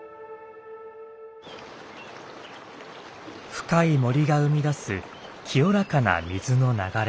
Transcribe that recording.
深い森が生み出す清らかな水の流れ。